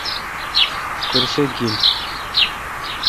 کرسہ گین۔